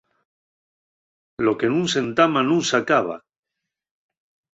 Lo que nun s'entama nun s'acaba.